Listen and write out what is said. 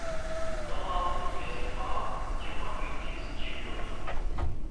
Não há outro vizinho mau que um aprendiz de violino.